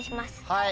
はい。